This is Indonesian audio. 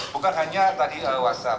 bukan hanya tadi whatsapp